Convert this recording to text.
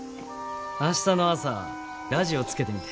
明日の朝ラジオつけてみて。